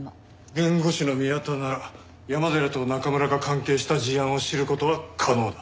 弁護士の宮田なら山寺と中村が関係した事案を知る事は可能だ。